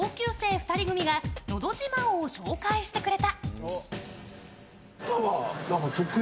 ２人組がのど自慢を紹介してくれた。